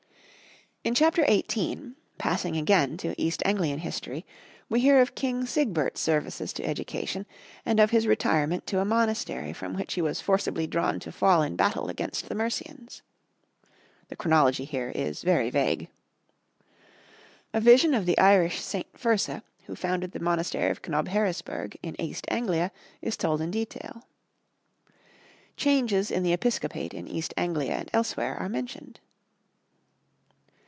In Chapter 18, passing again to East Anglian history, we hear of King Sigbert's services to education, and of his retirement to a monastery from which he was forcibly drawn to fall in battle against the Mercians. (The chronology is here very vague.) A vision of the Irish St. Fursa, who founded the monastery of Cnobheresburg in East Anglia is told in detail. Changes in the episcopate in East Anglia and elsewhere are mentioned.